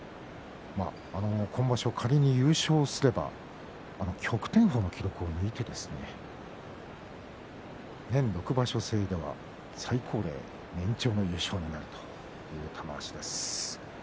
今場所、仮に優勝すれば旭天鵬の記録を抜いて年６場所制では最高齢年長の優勝になるという玉鷲です。